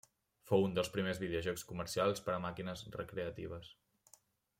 Fou un dels primers videojocs comercials per a màquines recreatives.